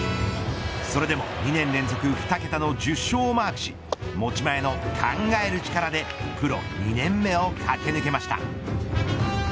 それでも２年連続２桁の１０勝をマークし持ち前の、考える力でプロ２年目を駆け抜けました。